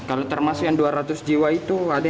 kalau termasuk yang dua ratus jiwa itu ada yang